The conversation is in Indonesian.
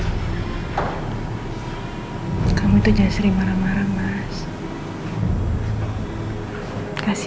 aku gak bisa ketemu mama lagi